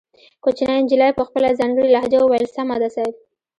کوچنۍ نجلۍ په خپله ځانګړې لهجه وويل سمه ده صيب.